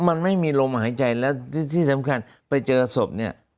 มันไม่มีลมหายใจแล้วที่สำคัญไปเจอศพเนี่ย